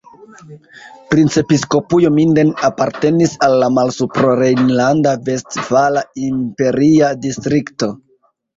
Princepiskopujo Minden apartenis al la Malsuprorejnlanda-Vestfala Imperia Distrikto.